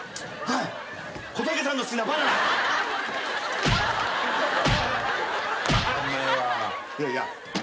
いやいや。